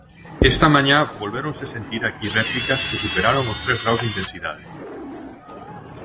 Esta mañá volvéronse sentir aquí réplicas que superaron os tres graos de intensidade.